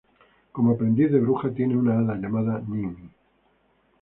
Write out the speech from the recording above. Como aprendiz de bruja tiene una hada llamada Nini.